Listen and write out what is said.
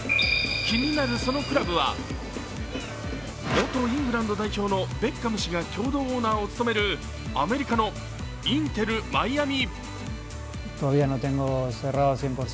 気になるそのクラブは元イングランド代表のベッカム氏が共同オーナーを務めるアメリカのインテル・マイアミ。